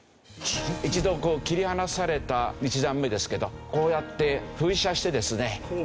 一度こう切り離された１段目ですけどこうやって噴射してですね